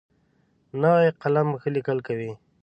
نوی قلم ښه لیکل کوي